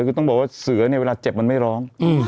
คือต้องบอกว่าเสือเนี่ยเวลาเจ็บมันไม่ร้อง